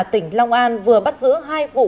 tỉnh long an vừa bắt giữ hai vụ